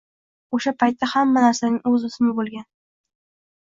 O‘sha paytda hamma narsaning o‘z ismi bo‘lgan